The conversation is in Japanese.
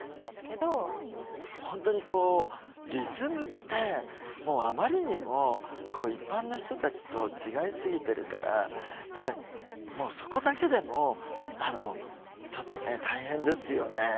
本当にこうリズムってあまりにも一般の人たちと違いすぎてるからやっぱりもうそこだけでもちょっとね大変ですよね。